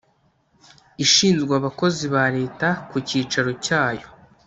ishinzwe abakozi ba leta, ku cyicaro cyayo